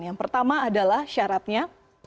yang pertama adalah syaratnya